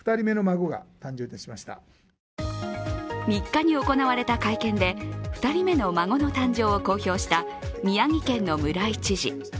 ３日に行われた会見で、２人目の孫の誕生を公表した宮城県の村井知事。